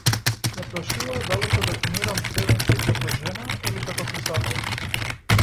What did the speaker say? Ме прашуваа дали се дефинирам себе си како жена или како писателка.